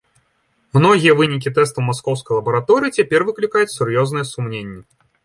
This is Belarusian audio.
Многія вынікі тэстаў маскоўскай лабараторыі цяпер выклікаюць сур'ёзныя сумненні.